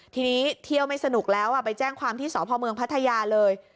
ทีนี้เที่ยวไม่สนุกแล้วไปแจ้งความที่สพเมืองพัทยาเลย